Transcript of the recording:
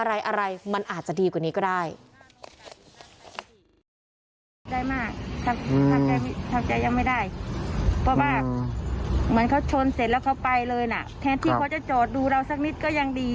อะไรอะไรมันอาจจะดีกว่านี้ก็ได้